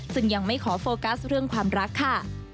ซึ่งยังไม่ขอโฟกัสเรื่องความรักค่ะ